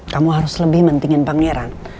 kamu harus lebih pentingin pangeran